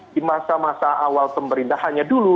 di masa masa awal pemerintahannya dulu